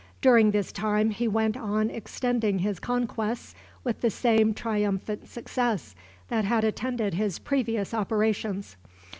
During this time he went on extending his conquests with the same triumphant success that had attended his previous operations.